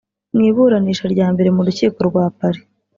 Mu iburanisha rya mbere mu rukiko rwa Paris